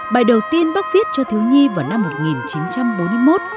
bài đầu tiên bác viết cho thiếu nhi vào năm một nghìn chín trăm bốn mươi một